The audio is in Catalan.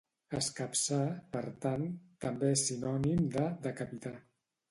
Escapçar, per tant, també és sinònim de "decapitar".